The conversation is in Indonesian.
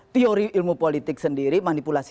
teori ilmu politik sendiri manipulasi